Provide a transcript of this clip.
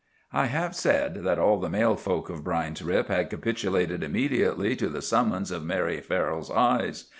I have said that all the male folk of Brine's Rip had capitulated immediately to the summons of Mary Farrell's eyes.